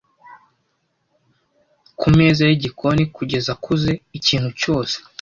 kumeza yigikoni kugeza akuze. Ikintu cyose,